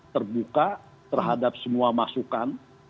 terbuka terhadap semua masukan